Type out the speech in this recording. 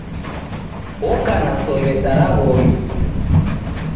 Woka na sombe sa ra w'omi.